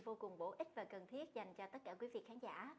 vô cùng bổ ích và cần thiết dành cho tất cả quý vị khán giả